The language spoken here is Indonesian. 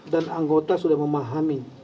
dan anggota sudah memahami